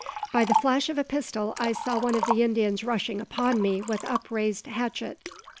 By the flash of a pistol I saw one of the Indians rushing upon me with upraised hatchet.